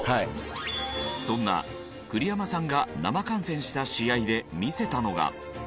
そんな栗山さんが生観戦した試合で見せたのが。